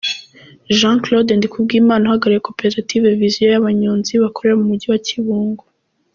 Jean Claude Ndikubwimana uhagarariye koperative Vision y’abanyonzi bakorera mu mujyi wa Kibungo.